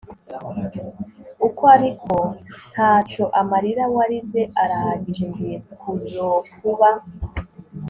uko……ariko ntaco amarira warize arahagije ngiye kuzokuba